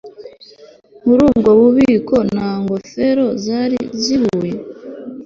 Muri ubwo bubiko nta ngofero zari zihuye